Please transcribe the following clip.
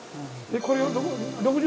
これ６０